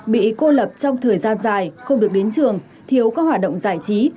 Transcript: bị cô lập trong thời gian dài không được đến trường thiếu các hoạt động giải trí